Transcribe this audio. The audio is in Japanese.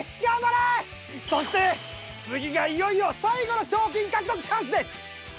そして次がいよいよ最後の賞金獲得チャンスです。